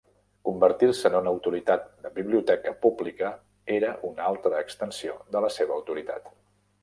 Convertir-se en una autoritat de biblioteca pública era una altra extensió de la seva autoritat.